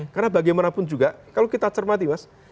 karena bagaimanapun juga kalau kita cermati mas